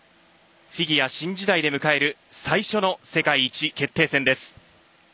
フィギュア新時代で迎える最初の世界一決定戦です。